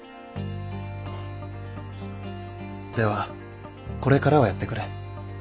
ではこれからはやってくれ。